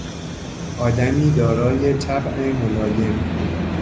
آدمی دارای طبع ملایم